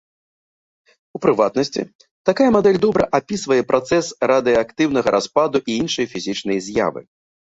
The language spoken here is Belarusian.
У прыватнасці, такая мадэль добра апісвае працэс радыеактыўнага распаду і іншыя фізічныя з'явы.